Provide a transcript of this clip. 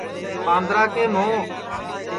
ٻاندرا کے مھوں